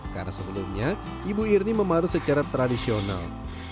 karena sebelumnya ibu irni memarut secara tradisional